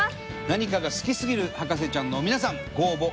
何かが好きすぎる博士ちゃんの皆さんご応募